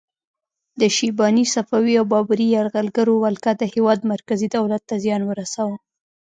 د شیباني، صفوي او بابري یرغلګرو ولکه د هیواد مرکزي دولت ته زیان ورساوه.